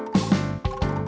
buat siapa bangun